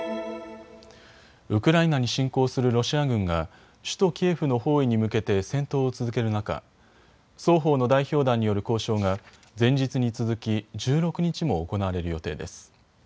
ウクライナに侵攻するロシア軍が首都キエフの包囲に向けて戦闘を続ける中、双方の代表団による交渉が前日に続き１６日も行われる予定です。